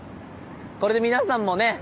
これで皆さんもね